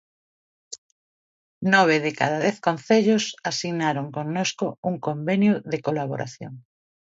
Nove de cada dez concellos asinaron connosco un convenio de colaboración.